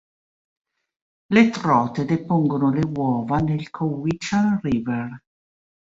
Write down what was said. Le trote depongono le uova nel Cowichan River.